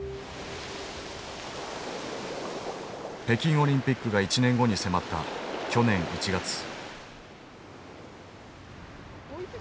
北京オリンピックが１年後に迫った去年１月。